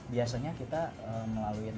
biasanya kita melalui retail